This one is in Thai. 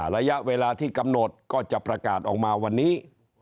ระยะเวลาที่กำหนดก็จะประกาศออกมาวันนี้